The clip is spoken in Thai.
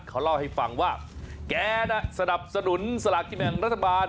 เขาเล่าให้ฟังว่าแกน่ะสนับสนุนสลากกินแบ่งรัฐบาล